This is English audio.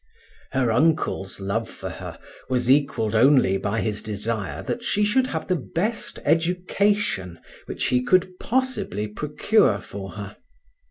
Her uncle's love for her was equalled only by his desire that she should have the best education which he could possibly procure for her.